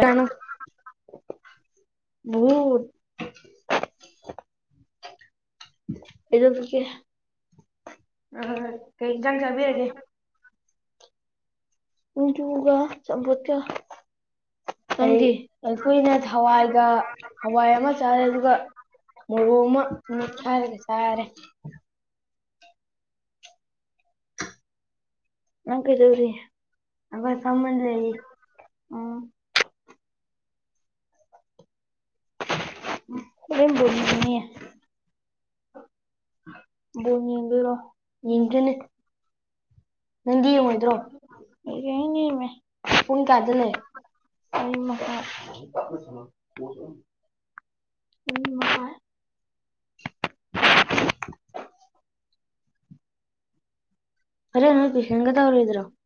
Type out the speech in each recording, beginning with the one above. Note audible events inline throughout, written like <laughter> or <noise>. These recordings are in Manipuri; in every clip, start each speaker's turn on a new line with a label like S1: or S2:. S1: ꯀꯅꯣ
S2: ꯕꯨ <unintelligible>
S1: ꯑ ꯀꯩ ꯏꯟꯖꯥꯡ ꯆꯥꯕꯤꯔꯒꯦ
S2: <unintelligible> ꯅꫭꯡꯆꯨꯒ ꯆꯝꯐꯨꯠꯀ
S1: ꯑꯩ
S2: ꯑꯅꯪꯗꯤ
S1: ꯑꯩꯈꯣꯏꯅ ꯍꯋꯥꯏꯒ ꯍꯋꯥꯏ ꯑꯃ ꯆꯥꯔꯦ ꯑꯗꯨꯒ
S2: <unintelligible>
S1: ꯃꯣꯔꯣꯛ ꯑꯃ
S2: ꯎ
S1: ꯃꯤꯠ ꯁꯥꯔꯒ ꯆꯥꯔꯦ
S2: <unintelligible> ꯅꯪ ꯀꯩꯗꯧꯔꯤ
S1: ꯑꯩꯈꯣꯏ ꯐꯝꯃꯅ ꯂꯩꯔꯤ
S2: ꯎꯝ <unintelligible>
S1: <inaudible>
S2: <unintelligible> ꯕꯣꯜ ꯌꯦꯡꯗꯣꯏꯔꯣ
S1: ꯌꯦꯡꯗꯣꯏꯅꯦ
S2: <unintelligible>
S1: ꯅꯪꯗꯤ ꯌꯦꯡꯉꯣꯏꯗ꯭ꯔꯣ ꯄꯨꯡ ꯀꯌꯥꯗ ꯂꯩ
S2: <unintelligible> <unintelligible>
S1: <unintelligible>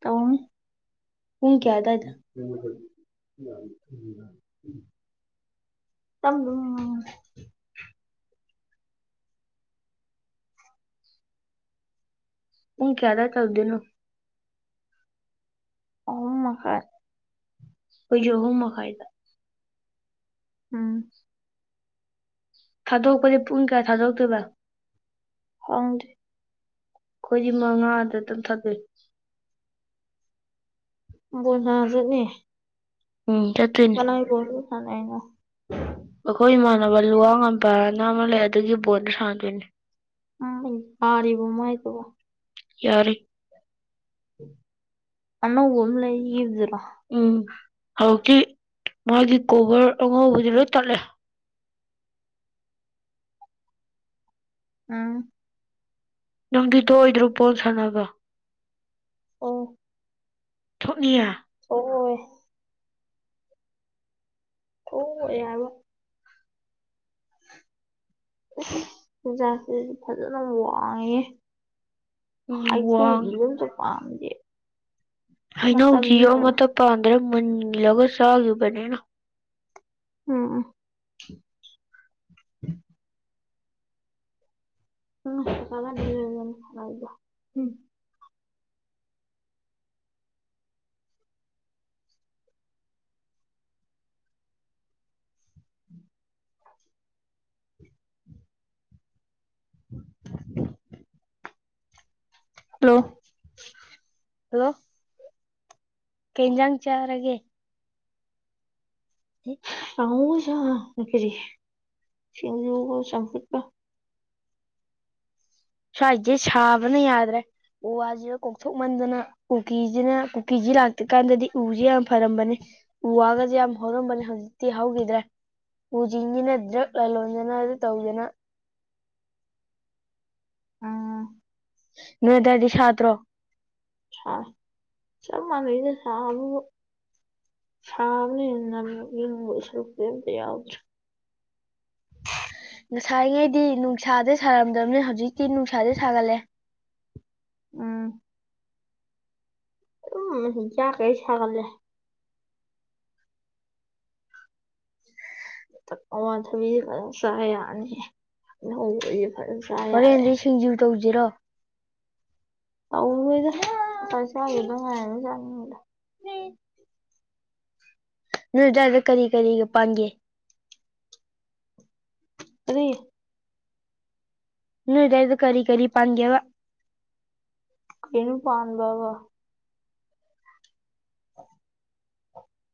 S2: ꯇꯧꯅꯤ
S1: ꯄꯨꯡ ꯀꯌꯥ ꯑꯗꯨꯋꯥꯏꯗ
S2: <unintelligible> ꯇꯝꯔꯨꯝ
S1: ꯄꯨꯡ ꯀꯌꯥꯗꯥꯏ ꯇꯧꯗꯨꯅꯣ
S2: ꯑꯍꯨꯝ ꯃꯈꯥꯏ
S1: ꯑꯩꯖꯨ ꯑꯍꯨꯝ ꯃꯈꯥꯏꯗ
S2: ꯎꯝ
S1: ꯊꯥꯗꯣꯛꯄꯗꯤ ꯄꯨꯡ ꯀꯌꯥ ꯊꯥꯗꯣꯛꯇꯣꯏꯕ
S2: ꯈꯪꯗꯦ
S1: ꯑꯩꯈꯣꯏꯗꯤ
S2: <unintelligible>
S1: ꯃꯉꯥꯗ <unintelligible>
S2: ꯕꯣꯟ ꯁꯥꯟꯅ ꯆꯠꯅꯤ
S1: ꯎꯝ ꯆꯠꯇꯣꯏꯅꯦ
S2: <unintelligible>
S1: ꯑꯈꯣꯏ ꯏꯃꯥꯟꯅꯕ ꯂꯨꯋꯥꯡ ꯉꯝꯄꯥꯅ ꯑꯃ ꯂꯩ ꯑꯗꯨꯒꯤ ꯕꯣꯟꯗꯣ ꯁꯥꯟꯅꯗꯣꯏꯅꯦ
S2: ꯎꯝ ꯄꯥꯔꯤꯕꯣ ꯃꯥꯏꯗꯨꯕꯨ
S1: ꯌꯥꯔꯦ
S2: ꯑꯅꯧꯕ ꯑꯃ ꯂꯩ ꯌꯤꯟꯖꯤꯂꯣ
S1: ꯎꯝ ꯍꯧꯖꯤꯛꯇꯤ ꯃꯥꯒꯤ ꯀꯣꯕꯔ ꯑꯉꯧꯕꯖꯤ ꯂꯣꯏ ꯇꯠꯂꯦ
S2: <unintelligible>
S1: ꯅꯪꯗꯤ ꯊꯣꯛꯑꯣꯏꯗ꯭ꯔꯣ ꯕꯣꯜ ꯁꯥꯟꯅꯕ
S2: ꯑꯣ
S1: ꯊꯣꯛꯅꯤꯌꯦ
S2: <unintelligible> ꯊꯣꯛ ꯑꯣꯏ ꯍꯥꯏꯕ <unintelligible> ꯐꯖꯅꯕ ꯋꯥꯡꯉꯦꯍꯦ
S1: ꯎꯝ
S2: ꯍꯥꯏ ꯇꯨ
S1: ꯋꯥꯡ
S2: ꯏꯔꯣꯟꯗꯣ ꯄꯥꯝꯗꯦ
S1: ꯍꯩꯅꯧꯖꯤ
S2: ꯃꯇꯝꯅꯤ
S1: ꯑꯃꯠꯇ ꯄꯥꯟꯗ꯭ꯔꯦ ꯃꯨꯜꯂꯒ ꯆꯥꯒꯤꯕꯅꯤꯅ
S2: <unintelligible> ꯎꯝ ꯎꯝ
S1: ꯎꯝ
S2: <unintelligible>
S1: <unintelligible>
S2: ꯍꯂꯣ
S1: ꯍꯜꯂꯣ ꯀꯩ ꯏꯟꯖꯥꯡ ꯆꯥꯔꯒꯦ <unintelligible>
S2: <unintelligible> ꯁꯤꯡꯖꯨꯒ ꯆꯝꯐꯨꯠꯀ
S1: ꯁ꯭ꯋꯥꯏꯖꯦ ꯁꯥꯕꯅ ꯌꯥꯗ꯭ꯔꯦ ꯎ ꯋꯥꯖꯤꯒ ꯀꯣꯛꯊꯣꯛꯃꯟꯗꯅ ꯀꯨꯀꯤꯖꯤꯅ ꯀꯤꯖꯦ ꯂꯥꯛꯇ꯭ꯔꯤ ꯀꯥꯟꯗꯗꯤ ꯎꯖꯦ ꯌꯥꯝ ꯐꯔꯝꯕꯅꯦ ꯎ ꯋꯥꯒꯖꯦ ꯌꯥꯝ ꯍꯧꯔꯝꯕꯅꯦ ꯍꯧꯖꯤꯛꯇꯤ ꯍꯧꯒꯤꯗ꯭ꯔꯦ ꯎꯖꯤꯅꯤꯅ ꯗ꯭ꯔꯛ ꯂꯂꯣꯟꯗꯅ ꯑꯗꯨ ꯇꯧꯗꯅ
S2: ꯎꯝ
S1: ꯅꯣꯏ ꯑꯗꯥꯏꯗꯤ ꯁꯥꯗ꯭ꯔꯣ
S2: ꯁꯥꯔꯦ ꯆꯞ ꯃꯥꯟꯅꯩꯗ ꯁꯥꯕꯕꯨ ꯁꯥꯕꯅ ꯍꯦꯟꯅ ꯅꯝꯃꯦ ꯏꯪꯕꯒꯤ ꯁꯔꯨꯛꯇꯤ ꯑꯃꯇ ꯌꯥꯎꯗ꯭ꯔꯦ
S1: ꯉꯁꯥꯏꯉꯩꯗꯤ ꯅꯨꯡꯁꯥꯥꯖꯦ ꯁꯥꯔꯝꯗꯕꯅꯦ ꯍꯧꯖꯤꯛꯇꯤ ꯅꯨꯡꯁꯥꯥꯖꯦ ꯁꯥꯒꯠꯂꯦ
S2: ꯎꯝ ꯑꯗꯨꯝ <unintelligible> ꯀꯩ ꯁꯥꯒꯠꯂꯦ ꯑꯋꯥ ꯊꯕꯤꯖꯦ ꯐꯖꯅ ꯆꯥ ꯌꯥꯔꯅꯤ <unintelligible> ꯐꯖꯅ ꯆꯥ ꯌꯥꯔꯦ
S1: ꯍꯣꯔꯦꯟꯗꯤ ꯁꯤꯡꯖꯨ ꯇꯧꯖꯤꯔꯣ
S2: ꯇꯎꯔꯣꯏꯗ ꯉꯁꯥꯏ ꯆꯥꯒꯤꯕꯗ ꯉꯥꯏꯔꯤꯝꯅ ꯆꯥꯅꯤꯡꯗꯦ
S1: ꯅꯤꯛ ꯅꯣꯏ ꯑꯗ꯭ꯋꯥꯏꯗ ꯀꯔꯤ ꯀꯔꯤꯒ ꯄꯥꯟꯒꯦ
S2: ꯑꯗꯨꯏ
S1: ꯅꯣꯏ ꯑꯗ꯭ꯋꯥꯏꯗ ꯀꯔꯤ ꯀꯔꯤ ꯄꯥꯟꯒꯦ ꯍꯥꯏꯕ
S2: ꯀꯩꯅꯣ ꯄꯥꯟꯕꯕꯨ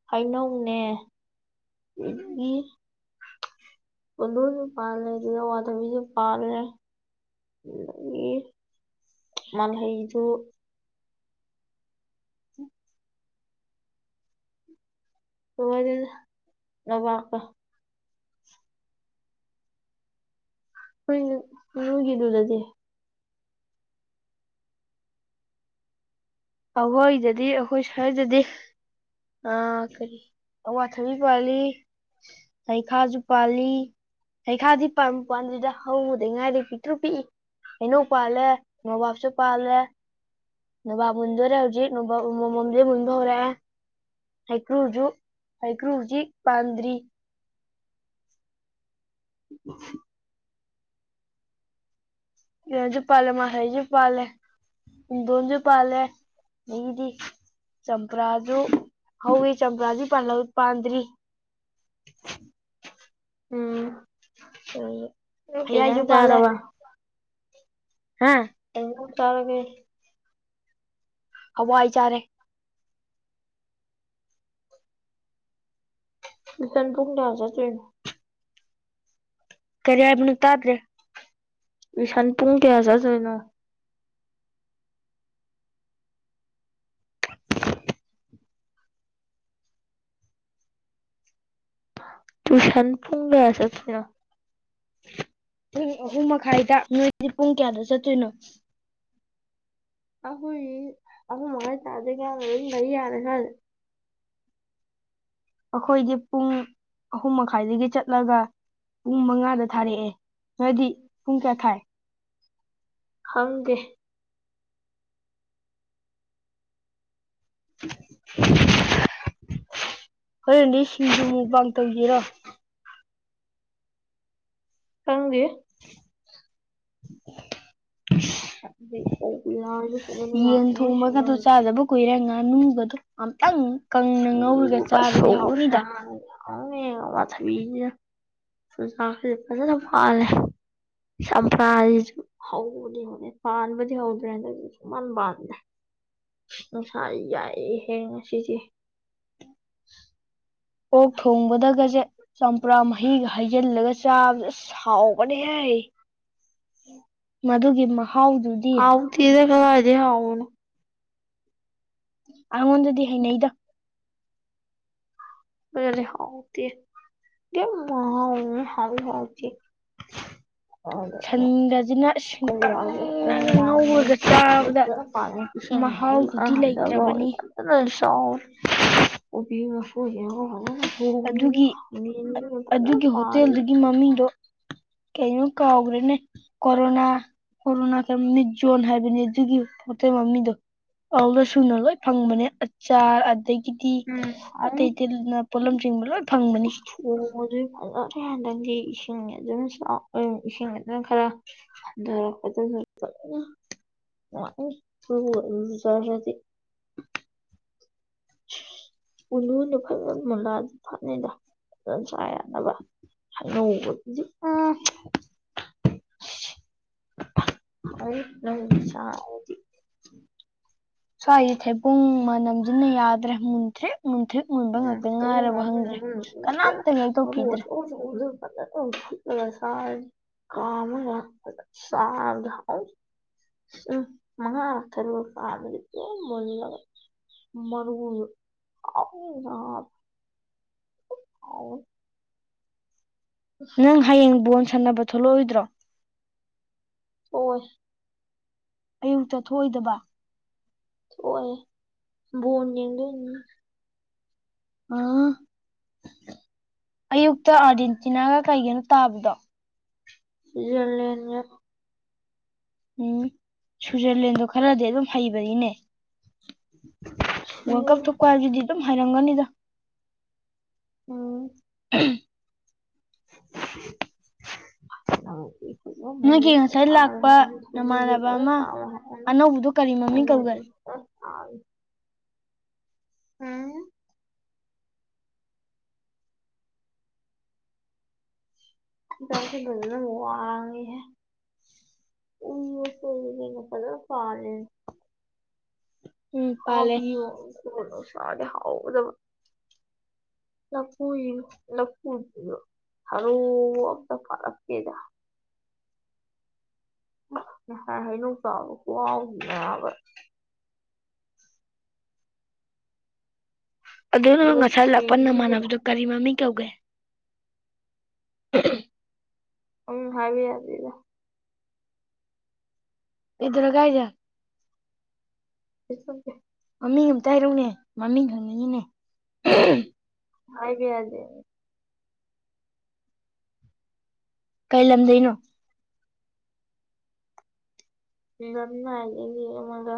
S2: ꯍꯩꯅꯧꯅꯦ <unintelligible> ꯄꯨꯟꯗꯣꯟꯖꯨ ꯄꯥꯂꯦ ꯑꯗꯨ ꯑꯋꯥꯊꯕꯤꯁꯨ ꯄꯥꯂꯦ <unintelligible> ꯃꯥꯜꯍꯩꯖꯨ ꯅꯨꯡꯉꯥꯏꯗꯦꯗ ꯅꯣꯕꯥꯞꯀ ꯍꯣꯏ ꯅꯣꯏꯒꯤꯗꯨꯗꯗꯤ
S1: ꯑꯩꯈꯣꯏꯗꯗꯤ ꯑꯩꯈꯣꯏ ꯁ꯭ꯋꯥꯏꯗꯗꯤ ꯑꯥ ꯀꯔꯤ ꯑꯋꯥꯊꯕꯤ ꯄꯥꯥꯜꯂꯤ ꯍꯩꯈꯥꯁꯨ ꯄꯥꯜꯂꯤ ꯍꯩꯈꯥꯗꯤ ꯄꯥꯟꯕꯨ ꯄꯥꯟꯗꯦꯗ ꯍꯧꯕꯗ ꯉꯥꯏꯔꯤ ꯄꯤꯛꯇ꯭ꯔꯨ ꯄꯤꯛꯏ ꯍꯩꯅꯧ ꯄꯥꯜꯂꯦ ꯅꯣꯕꯥꯞꯁꯨ ꯄꯥꯜꯂꯦ ꯅꯣꯕꯥꯞ ꯃꯨꯟꯗꯧꯔꯦ ꯍꯧꯖꯤꯛ ꯅꯣꯕꯥꯞ ꯑꯃꯥꯃꯝꯗꯤ ꯃꯨꯟꯕꯥ ꯍꯧꯔꯦ ꯍꯩꯀ꯭ꯔꯨꯁꯨ ꯍꯩꯀ꯭ꯔꯨ ꯍꯨꯖꯤꯛ ꯄꯥꯟꯗ꯭ꯔꯤ <unintelligible> ꯀꯩꯅꯣꯁꯨ ꯄꯥꯜꯂꯦ ꯃꯥꯜꯍꯩꯁꯨ ꯄꯥꯜꯂꯦ ꯄꯨꯡꯗꯣꯟꯁꯨ ꯄꯥꯜꯂꯦ ꯑꯗꯒꯤꯗꯤ ꯆꯝꯄꯔꯥꯗꯨ ꯍꯧꯋꯤ ꯆꯝꯄ꯭ꯔꯥꯗꯤ ꯄꯥꯜꯍꯧ ꯄꯥꯟꯗ꯭ꯔꯤ꯫
S2: ꯎꯝ
S1: ꯑꯣ
S2: ꯅꯪ ꯀꯩꯑꯦꯟꯖꯥꯡ ꯆꯔꯕꯥ꯫
S1: ꯍꯥ
S2: ꯀꯩ ꯍꯦꯟꯖꯥꯪ ꯇꯔꯒꯦ꯫
S1: ꯍꯋꯥꯏ ꯆꯥꯔꯦ꯫
S2: ꯇꯨꯏꯁꯟ ꯄꯨꯡ ꯀꯌꯥ ꯆꯠꯇꯣꯏꯅꯣ꯫
S1: ꯀꯔꯤ ꯍꯥꯏꯕꯅꯣ ꯇꯥꯗ꯭ꯔꯦ꯫
S2: ꯇꯨꯏꯁꯟ ꯄꯨꯡ ꯀꯌꯥ ꯆꯠꯇꯣꯏꯅꯣ꯫ ꯇꯨꯏꯁꯟ ꯄꯨꯡ ꯀꯌꯥ ꯆꯠꯇꯣꯏꯅꯣ꯫
S1: ꯄꯨꯡ ꯑꯍꯨꯝꯃꯈꯥꯏꯗ ꯅꯣꯏꯗꯤ ꯄꯨꯡ ꯀꯌꯥꯗ ꯆꯠꯇꯣꯏꯅꯣ꯫
S2: ꯑꯈꯣꯏꯗꯤ ꯑꯍꯨꯝꯃꯈꯥꯏ ꯇꯕꯗꯩꯩ ꯒꯌꯥꯇꯥ ꯑꯗꯨꯝ ꯂꯩ ꯌꯥꯔꯦ ꯁ꯭ꯋꯥꯏꯗ
S1: ꯑꯩꯈꯣꯏꯒꯤ ꯄꯨꯡ ꯑꯍꯨꯝ ꯃꯈꯥꯏꯗꯒꯤ ꯆꯠꯂꯒ ꯄꯨꯡ ꯃꯉꯥꯗ ꯊꯥꯔꯛꯑꯦ ꯅꯣꯏꯗꯤ ꯄꯨꯡ ꯀꯌꯥ ꯊꯥꯏ
S2: ꯈꯪꯗꯦ꯫ <unintelligible>
S1: ꯍꯣꯔꯦꯟꯗꯤ ꯁꯤꯡꯖꯨ ꯃꯨꯛꯕꯥꯡ ꯇꯧꯖꯤꯔꯣ꯫
S2: ꯈꯪꯗꯦ꯫
S1: <inaudible> ꯌꯦꯟ ꯊꯣꯡꯕꯒꯗꯣ
S2: <unintelligible>
S1: ꯆꯥꯗꯕ ꯀꯨꯏꯔꯦ ꯉꯥꯅꯨꯒꯗꯣ ꯑꯝꯇꯪ ꯀꯪꯅ ꯉꯧꯔꯒ ꯆꯥꯔꯗꯤ ꯍꯥꯎꯅꯤꯗ
S2: ꯍꯥꯎꯅꯤ ꯑꯋꯥꯊꯕꯤꯖꯤꯒ ꯆꯨꯖꯥꯛꯁꯦ ꯐꯖꯅ ꯄꯥꯜꯂꯦ꯫ ꯆꯝꯄ꯭ꯔꯁꯤꯁꯨ ꯍꯧꯕꯗꯤ ꯍꯧꯅꯤ ꯄꯥꯟꯕꯗꯤ ꯍꯧꯗ꯭ꯔꯤ ꯍꯟꯇꯛꯇꯤ ꯁꯨꯛꯄꯥꯟ ꯄꯥꯟꯗꯔꯦ꯫ ꯅꯨꯡꯁꯥꯥꯁꯤ ꯌꯥꯛꯏꯍꯦ ꯉꯥꯁꯤꯗꯤ꯫
S1: ꯑꯣꯛ ꯊꯣꯡꯕꯗꯒꯁꯦ꯫ ꯆꯝꯄ꯭ꯔꯥ ꯃꯍꯤꯒ ꯍꯩꯖꯤꯜꯂꯒ ꯆꯥꯕꯖꯤ ꯑꯁ ꯍꯥꯎꯕꯅꯤꯍꯦ꯫ ꯃꯗꯨꯒꯤ ꯃꯍꯥꯎꯗꯨꯗꯤ꯫
S2: ꯍꯥꯎꯇꯦꯗꯥ ꯀꯔꯥꯏꯗꯩꯩ ꯍꯥꯎꯕꯅꯣ꯫
S1: ꯑꯩꯉꯣꯟꯗꯗꯤ ꯍꯩꯅꯩꯗ꯫
S2: ꯑꯩꯉꯣꯟꯗꯥꯗꯤ ꯍꯥꯎꯇꯦ꯫ <unintelligible> ꯍꯥꯎꯖꯨ ꯍꯥꯎꯇꯦ꯫
S1: ꯁꯟꯒꯁꯤꯅ
S2: <unintelligible>
S1: ꯀꯪꯅꯒ ꯉꯧꯔꯒ ꯆꯥꯕꯗ ꯃꯍꯥꯎꯗꯨꯗꯤ ꯂꯩꯇ꯭ꯔꯕꯅꯤ
S2: ꯐꯖꯅꯗꯤ ꯆꯥꯎꯔꯦ ꯀꯣꯕꯤꯃꯁꯣꯏꯖꯨ <unintelligible> <unintelligible>
S1: ꯑꯗꯨꯒꯤ
S2: ꯐꯖꯅꯥ
S1: ꯑꯗꯨꯒꯤ
S2: ꯄꯥꯜꯂꯦ꯫
S1: ꯍꯣꯇꯦꯜꯗꯨꯒꯤ ꯃꯃꯤꯡꯗꯣ ꯀꯩꯅꯣ ꯀꯥꯎꯒ꯭ꯔꯦꯅꯦ ꯀꯣꯔꯣꯅꯥ ꯀꯣꯔꯣꯅꯥ ꯀꯃꯤꯅꯤꯠ ꯖꯣꯟ ꯍꯥꯏꯕꯅꯤ ꯑꯗꯨꯒꯤ ꯍꯣꯇꯦꯜ ꯃꯃꯤꯡꯗꯣ꯫ ꯑꯗꯨꯗꯥ ꯁꯨꯅ ꯂꯣꯏ ꯐꯪꯕꯅꯦ ꯑꯆꯥꯔ ꯑꯗꯒꯤ ꯀꯗꯤ
S2: ꯎꯝ
S1: ꯑꯇꯩ
S2: ꯑꯃꯨꯛ
S1: ꯑꯇꯩꯅ ꯄꯣꯠꯂꯝ ꯆꯤꯡꯕ ꯂꯣꯏ ꯐꯪꯕꯅꯤ꯫
S2: ꯊꯣꯡꯕꯗꯨ ꯐꯖ ꯍꯟꯗꯪꯗꯤ ꯏꯁꯤꯡ ꯑꯗꯨꯝ ꯏꯁꯤꯡ ꯑꯗꯨꯅ ꯈꯔ ꯔ ꯄꯗꯔꯗꯤ꯫ ꯎꯂꯨꯗ ꯐꯖꯅ ꯃꯨꯂꯥꯗ ꯊꯠꯅꯩꯗ ꯐꯖꯅ ꯆꯥ ꯌꯥꯅꯕ ꯗꯤ ꯑ <unintelligible>
S1: ꯁꯣ ꯑꯩ ꯊꯦꯕꯨꯡ ꯅꯝꯗꯅ ꯌꯥꯎꯗ꯭ꯔ ꯃꯟꯇꯔꯤ ꯃꯟꯇ꯭ꯔꯤ꯫ ꯀꯅꯥꯝꯇ ꯍꯦꯛꯇꯣꯛꯄꯤꯗ꯭ꯔꯦ
S2: <unintelligible> <unintelligible> ꯎꯝ ꯃꯥꯉ ꯈꯔ ꯐ ꯀ ꯂ ꯃꯔꯔ ꯑ ꯑ
S1: ꯅꯪ ꯍꯌꯦꯡ ꯕꯣꯟ ꯁꯥꯟꯅꯕ ꯊꯣꯛꯂꯛꯑꯣꯏꯗ꯭ꯔꯣ
S2: ꯊꯣꯛ ꯑꯣꯏ
S1: ꯑꯌꯨꯛꯇ ꯊꯣꯛꯑꯣꯏꯗꯕ
S2: ꯑꯣꯏ ꯕꯣꯟ ꯌꯦꯪꯗꯣꯏꯅꯦ
S1: ꯎꯝ ꯑꯌꯨꯛꯇ ꯑꯥꯔꯖꯦꯟꯇꯤꯅꯥꯒ ꯀꯩꯒꯤꯅꯣ ꯇꯥꯕꯗꯣ
S2: ꯂꯩꯂ
S1: ꯎꯝ ꯁ꯭ꯋꯤꯖꯔꯂꯦꯟꯗꯣ ꯈꯔꯗꯤ ꯑꯗꯨꯝ ꯍꯩꯕꯅꯤꯅꯦ ꯋꯥꯔꯜ ꯀꯞ ꯊꯣꯛꯄ
S2: ꯍ
S1: ꯍꯥꯏꯕꯁꯤꯗꯤ ꯑꯗꯨꯝ ꯍꯥꯏꯔꯝꯒꯅꯤꯗ
S2: ꯎꯝ
S1: ꯎ ꯅꯣꯏꯒꯤ ꯉꯁꯥꯏ ꯂꯥꯛꯄ
S2: ꯁꯥ
S1: ꯅꯃꯥꯟꯅꯕ ꯑꯃ ꯑꯅꯧꯕꯗꯣ
S2: ꯍꯥꯏ
S1: ꯀꯔꯤ ꯃꯃꯤꯡ ꯀꯧꯒꯦ
S2: ꯍ ꯎꯝ ꯇꯔꯁꯤ ꯖꯅ ꯋꯥꯉꯣꯏ ꯍ ꯎꯏꯁꯨꯉ ꯄ ꯐꯥꯜ
S1: ꯎꯝ ꯄꯥꯜꯂꯦ
S2: ꯍꯥꯎꯕꯤ ꯁꯥꯔꯦ ꯍꯥꯎꯗꯕ ꯂꯄꯨ ꯂꯄꯨ ꯍꯂꯣꯗ ꯐꯔꯛꯦꯗ ꯅ ꯆꯕ ꯀꯎ ꯌꯥꯕ
S1: ꯑꯗꯨꯅ ꯉꯁꯥꯏ
S2: ꯊꯤ
S1: ꯂꯥꯛꯄ ꯅꯃꯥꯟꯅꯕꯗꯨꯣ ꯀꯔꯤ ꯃꯃꯤꯡ ꯀꯧꯒꯦ
S2: ꯎꯝ ꯍꯥꯏ ꯍꯥꯏꯗ
S1: ꯏꯗꯔꯒꯥꯏꯖ ꯃꯃꯤꯡ ꯑꯝꯇ ꯍꯥꯏꯔꯧꯅꯦ ꯃꯃꯤꯡ ꯈꯪꯅꯤꯡꯉꯤꯅꯦ
S2: ꯍꯥꯏ ꯕꯥ ꯌꯥꯗꯦ
S1: ꯀꯩ ꯂꯝꯗꯣꯏꯩꯅꯣ
S2: ꯅꯅ ꯃꯒ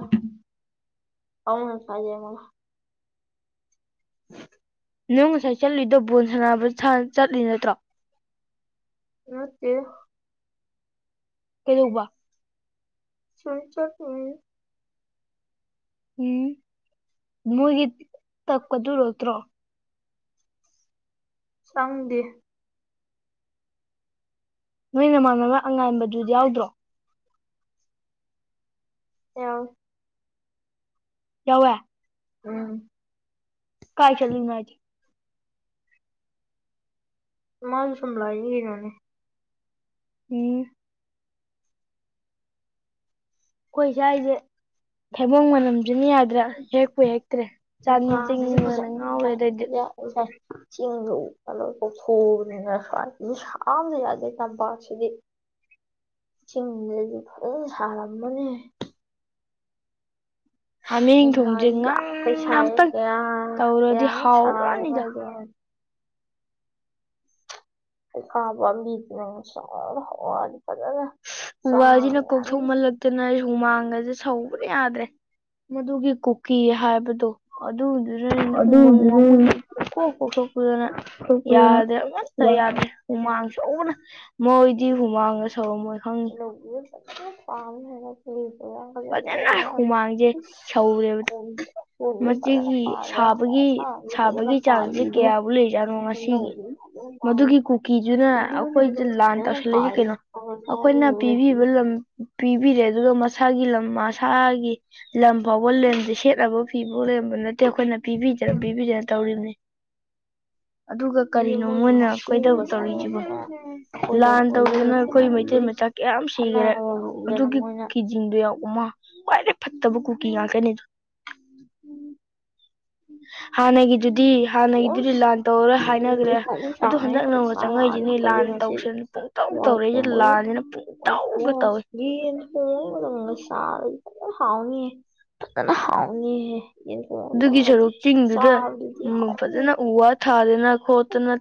S2: ꯐꯥꯎꯅ ꯍꯥꯏꯖꯦ ꯃ ꯎꯝ
S1: ꯅꯪ ꯉꯁꯥꯏ ꯆꯠꯂꯤꯗꯣ ꯕꯣꯣꯟ ꯁꯥꯟꯅꯕ ꯆꯠꯂꯤ ꯅꯠꯇ꯭ꯔꯣ
S2: ꯃꯠꯇꯦ
S1: ꯀꯩꯗꯣ ꯕ
S2: ꯆꯣꯟ ꯆ
S1: ꯎꯝ ꯃꯣꯏꯒꯤ ꯇꯞꯀꯗꯨꯔꯠꯇ꯭ꯔꯣ
S2: ꯆꯪꯗꯦ
S1: ꯅꯣꯏ ꯅꯃꯥꯟꯅꯕ ꯑꯉꯥꯟꯕꯗꯨꯗꯤ ꯌꯥꯎꯗ꯭ꯔꯣ
S2: ꯑ
S1: ꯌꯥꯧꯋ
S2: ꯎꯝ
S1: ꯀꯥꯏ ꯆꯜꯂꯅꯨꯡꯦ
S2: ꯃꯥꯅ ꯁꯨꯝ <unintelligible>
S1: ꯎ ꯑꯩꯈꯣꯏ ꯁꯥꯏꯁꯦ ꯊꯩꯕꯣꯡ ꯃꯅꯝꯁꯤꯅ ꯌꯥꯗ꯭ꯔꯦ ꯍꯦꯛꯄꯨ ꯍꯦꯛꯇ꯭ꯔꯦ ꯆꯥꯟꯅꯤ ꯆꯤꯡꯅꯤꯡꯕꯅ ꯉꯥꯎꯔꯦ ꯑꯗꯗꯤ
S2: ꯑꯩꯁꯥꯏ ꯆꯤꯡꯗꯨꯊꯨꯅꯤꯅ ꯃꯤꯁꯥꯅ ꯌꯥꯗꯦ ꯇꯝꯄꯥꯛꯁꯤꯗꯤ <unintelligible> ꯁꯔꯝ ꯃꯅꯦ
S1: ꯍꯥꯃꯦꯡ ꯊꯣꯡꯁꯦ
S2: ꯉꯥꯏ ꯌꯥꯛꯈꯩ
S1: ꯉꯥꯡꯅ
S2: ꯁꯥꯏ
S1: ꯑꯝꯇꯪ
S2: ꯀꯌꯥ
S1: ꯇꯧꯔꯗꯤ
S2: ꯀꯌꯥꯃꯨꯛ ꯁꯥꯔꯕ
S1: ꯍꯥꯎꯔꯅꯤꯗ
S2: ꯍꯥꯏ <unintelligible>
S1: ꯎ ꯋꯥ ꯖꯤꯅ ꯀꯣꯛꯊꯣꯛꯃꯜꯂꯥ ꯛꯇꯅ ꯍꯨꯃꯥꯡꯒꯁꯦ ꯁꯧꯕꯗ ꯌꯥꯗ꯭ꯔꯦ ꯃꯗꯨꯒꯤ ꯀꯨꯀꯤ ꯍꯥꯏꯕꯗꯣ ꯑꯗꯨꯗꯨꯅꯅꯤꯅ ꯎꯃꯪ
S2: ꯑꯗꯨꯏꯗꯨꯗꯩ
S1: ꯋꯥꯃꯪꯁ ꯀꯣꯛ ꯀꯣꯛ ꯈꯣꯛꯄꯨꯗꯅ
S2: ꯊꯣꯛꯄꯗꯅ
S1: ꯌꯥꯗ꯭ꯔꯦ ꯑꯝꯇ
S2: ꯌꯥꯝ
S1: ꯌꯥꯗ꯭ꯔꯦ ꯍꯨꯃꯥꯡ ꯁꯧꯕꯅ ꯃꯣꯏꯗꯤ ꯍꯨꯃꯥꯡ ꯁꯧꯔꯝꯃꯣꯏ ꯈꯪ ꯐꯖꯅ
S2: <unintelligible>
S1: ꯍꯨꯃꯥꯡꯁꯦ ꯁꯧꯔꯦꯕ ꯃꯁꯤꯒꯤ
S2: <unintelligible>
S1: ꯁꯥꯕꯒꯤ ꯁꯥꯕꯒꯤ ꯆꯥꯡꯁꯦ ꯀꯌꯥꯕꯨ ꯂꯩꯖꯥꯠꯅꯣ ꯉꯁꯤꯒꯤ
S2: <unintelligible>
S1: ꯃꯗꯨꯒꯤ ꯀꯨꯀꯤꯗꯨꯅ ꯑꯩꯈꯣꯏꯗ ꯂꯥꯟ ꯇꯧꯁꯜꯂꯛꯏ ꯀꯩꯅꯣ
S2: <unintelligible>
S1: ꯑꯩꯈꯣꯏꯅ ꯄꯤꯕꯤꯕ
S2: <unintelligible>
S1: ꯄꯤꯕꯤꯔꯦ ꯑꯗꯨꯒ ꯃꯁꯥꯒꯤ ꯂꯝ ꯃꯁꯥꯒꯤ ꯂꯝ ꯐꯥꯎꯕ ꯂꯦꯝꯗꯦ ꯁꯦꯠꯅꯕ ꯐꯤꯕꯥꯎ ꯂꯩꯔꯝꯕ ꯅꯠꯇꯦ ꯑꯩꯈꯣꯏꯅ ꯄꯤꯕꯤꯗꯅ ꯄꯤꯕꯤꯗꯅ ꯇꯧꯔꯤꯕꯅꯤ ꯑꯗꯨꯒ ꯀꯔꯤꯅꯣ ꯃꯣꯏꯅ ꯑꯩꯈꯣꯏꯗ ꯇꯧꯔꯤꯁꯤꯕꯣ
S2: ꯑꯩꯈꯣꯏꯗ
S1: ꯂꯥꯟ ꯇꯧꯗꯨꯅ
S2: ꯑꯣꯟꯁꯤꯜꯂꯛ
S1: ꯑꯩꯈꯣꯏ ꯃꯩꯇꯩ
S2: ꯑꯗꯩ
S1: ꯃꯆꯥ ꯀꯌꯥꯝ ꯁꯤꯈꯔꯦ
S2: ꯈꯠꯅꯕ ꯍꯧꯗꯅ
S1: ꯑꯗꯨꯒꯤ
S2: ꯃꯣꯏꯅ
S1: ꯁꯤꯡꯗ ꯎꯃꯥ ꯈ꯭ꯋꯥꯏꯗꯩ ꯐꯠꯇꯕ ꯀꯨꯀꯤ ꯉꯥꯛꯇꯅꯦ ꯍꯥꯟꯅꯒꯤꯗꯨꯗꯤ ꯍꯥꯟꯅꯒꯤꯗꯨꯗꯤ ꯂꯥꯟ ꯇꯧꯔꯣꯏ ꯍꯥꯏꯅꯈ꯭ꯔꯦ ꯑꯗꯨꯗ ꯍꯟꯗꯛ ꯅꯪ ꯆꯪꯉꯛꯏꯁꯤꯅꯦ ꯂꯥꯟ ꯇꯧꯁꯦꯅ ꯇꯧ ꯇꯧꯔꯛꯏꯁꯦ ꯂꯥꯟꯅꯤꯅ ꯄꯨꯡ ꯇꯧꯒ ꯇꯧꯏ
S2: ꯌꯦꯟ ꯊꯣꯡꯉꯒ ꯆꯥꯔꯗꯤ ꯍꯥꯎꯅꯤ ꯐꯖꯅ ꯍꯥꯎꯅꯤ
S1: ꯑꯗꯨꯒꯤ ꯁꯔꯨꯛ
S2: <unintelligible>
S1: ꯆꯤꯡꯗꯨꯗ
S2: ꯆꯥꯕꯗꯨꯗꯤ
S1: ꯐꯖꯅ ꯎ ꯋꯥ ꯊꯥꯗꯅ ꯈꯣꯠꯇꯅ